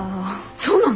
そうなの！？